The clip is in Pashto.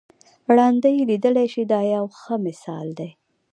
ړانده یې لیدلای شي دا یو ښه مثال دی.